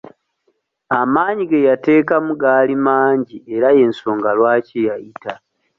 Amaanyi ge yateekamu gaali mangi era y'ensonga lwaki yayita.